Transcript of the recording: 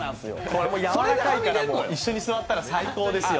これ、やわらかいから一緒に座ったら最高ですよ。